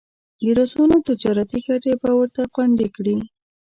د روسانو تجارتي ګټې به ورته خوندي کړي.